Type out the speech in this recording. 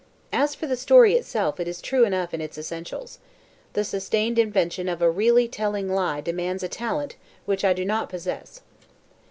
As for the story itself it is true enough in its essentials. The sustained invention of a really telling lie demands a talent which I do not possess.